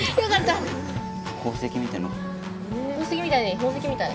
宝石みたいに？